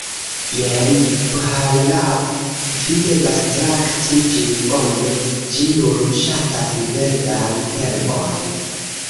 Jen Phar Lap, vi devas trakti ĝin bone, ĝi nur ŝatas verdan herbon.